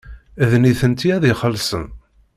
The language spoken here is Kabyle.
D nitenti ad ixellṣen.